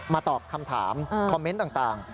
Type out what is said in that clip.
ตอบคำถามคอมเมนต์ต่าง